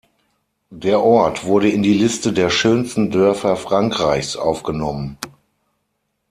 Der Ort wurde in die Liste der schönsten Dörfer Frankreichs aufgenommen.